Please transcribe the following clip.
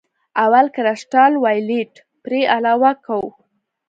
اول کرسټل وایولېټ پرې علاوه کوو.